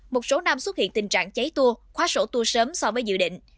một số năm xuất hiện tình trạng cháy tour khóa sổ tour sớm so với dự định